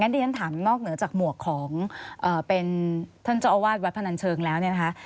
ดีต้อนถามนอกเหนือจากหมวกของท่านเจ้าอาวาสวัดพนันเชิงแล้ว